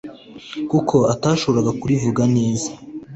kuko atashoboraga kurivuga neza